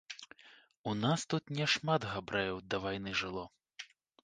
У нас тут няшмат габрэяў да вайны жыло.